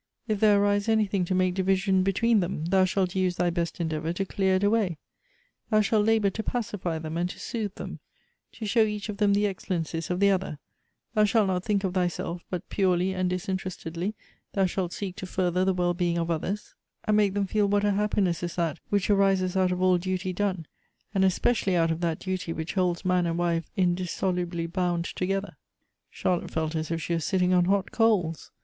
If there arise any thing to m.ake division between them, thou shalt use thy best endeavor to clear it away. Thou shalt labor to pacify them, and to soothe them ; to show each of them the excellencies of the other. Thou shalt not think of thyself, but purely and disinterestedly thou shalt seek to further the well being of others, and make them feel Elective Affinities. 315 what a happiness is that which arises out of all duty done; and especially out of that duty which holds man and wife indissolubly bound together.'" Charlotte felt as if she was sitting on hot coals.